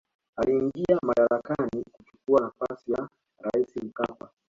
aliingia madarakani kuchukua nafasi ya raisi mkapa